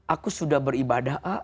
aku sudah beribadah